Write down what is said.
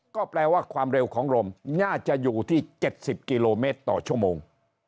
ก็แปลว่าความเร็วของลมน่าจะอยู่ที่๗๐กิโลเมตรต่อชั่วโมง